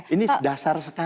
ini dasar sekali